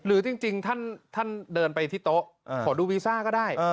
หรือจริงท่านเดินไปที่โต๊ะขอดูวีซ่าก็ได้